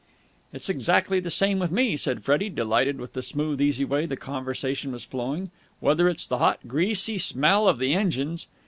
'" "It's exactly the same with me," said Freddie, delighted with the smooth, easy way the conversation was flowing. "Whether it's the hot, greasy smell of the engines...."